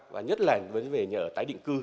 và nhất là về nhà ở tái định cư